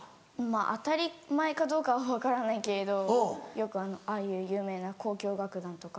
当たり前かどうかは分からないけれどよくああいう有名な交響楽団とか。